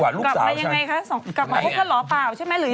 ไม่ครบหรอก